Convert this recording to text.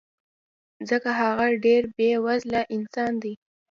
ځکه هغه ډېر بې وزله انسان دی